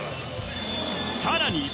さらにＢ